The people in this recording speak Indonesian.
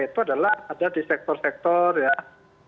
itu adalah ada di sektor sektor ya